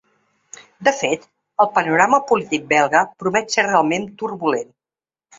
De fet, el panorama polític belga promet ser realment turbulent.